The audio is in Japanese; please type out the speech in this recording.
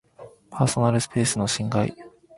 パーソナルスペースの侵害